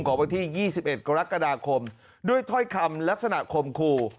วันที่๒๑กรกฎาคมด้วยถ้อยคำลักษณะคมคู่